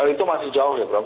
itu masih jauh ya bram